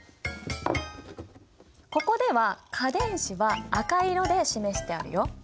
ここでは価電子は赤色で示してあるよ。